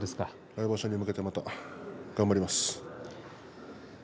来場所に向けてまた頑張ります。